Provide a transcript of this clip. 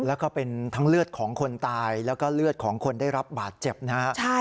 แล้วก็เป็นทั้งเลือดของคนตายแล้วก็เลือดของคนได้รับบาดเจ็บนะฮะ